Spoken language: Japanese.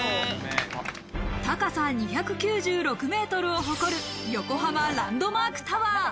高さ２９６ｍを誇る、横浜ランドマークタワー。